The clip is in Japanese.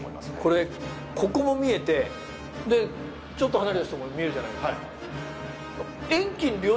これここも見えてちょっと離れた人も見えるじゃないですか。